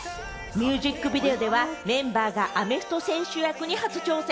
ミュージックビデオでは、メンバーがアメフト選手役に初挑戦。